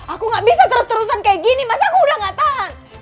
aku gak bisa terus terusan kayak gini masa aku udah gak tahan